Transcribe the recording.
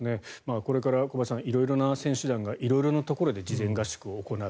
これから小林さん色々な選手団が色々なところで事前合宿を行う。